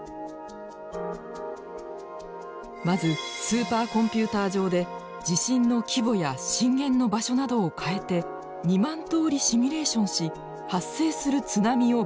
まずスーパーコンピューター上で地震の規模や震源の場所などを変えて２万通りシミュレーションし発生する津波を分析。